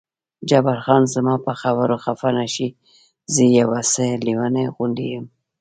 جبار خان: زما په خبرو خفه نه شې، زه یو څه لېونی غوندې یم.